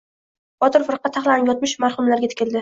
Botir firqa taxlanib yotmish marhumlarga tikildi...